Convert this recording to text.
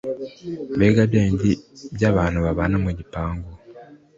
mbega bya bindi by’abantu babana mu gipangu